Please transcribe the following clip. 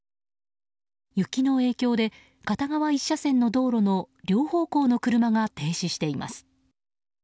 雪の影響で片側１車線の道路の両方向の車が停止しています。